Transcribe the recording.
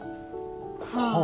はあ。